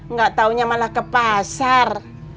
nggak tahunya malah ke pasar